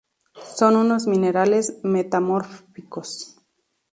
Son unos minerales metamórficos.